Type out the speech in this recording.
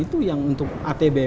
atau mungkin sekarang sudah ada di